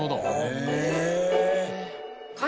へえ！